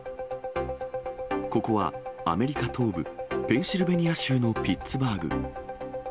ここはアメリカ東部ペンシルベニア州のピッツバーグ。